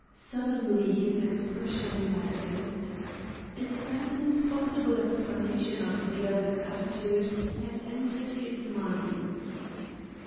Suddenly his expression lightened. A certain possible explanation of the other's attitude had entered his mind.